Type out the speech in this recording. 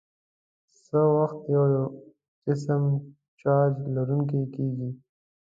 څه وخت یو جسم چارج لرونکی کیږي؟